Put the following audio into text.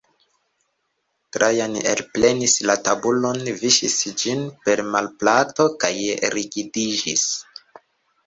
Trajan elprenis la tabulon, viŝis ĝin per manplato kaj rigidiĝis.